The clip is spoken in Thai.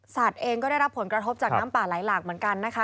เองก็ได้รับผลกระทบจากน้ำป่าไหลหลากเหมือนกันนะคะ